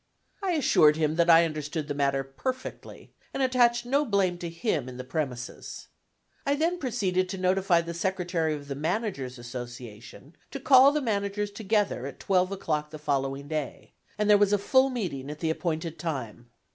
I assured him that I understood the matter perfectly, and attached no blame to him in the premises. I then proceeded to notify the Secretary of the "Managers' Association" to call the managers together at twelve o'clock the following day; and there was a full meeting at the appointed time.